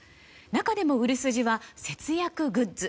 中でも売れ筋は節約グッズ。